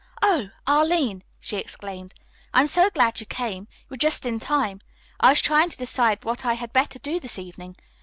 "Oh, Arline!" she exclaimed. "I am so glad you came. You are just in time. I was trying to decide what I had better do this evening.